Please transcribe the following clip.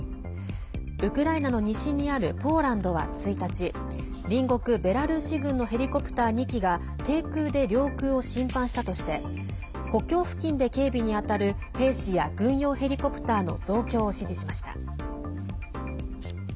ウクライナの西にあるポーランドは１日隣国ベラルーシ軍のヘリコプター２機が低空で領空を侵犯したとして国境付近で警備に当たる兵士や軍用ヘリコプターの増強を指示しました。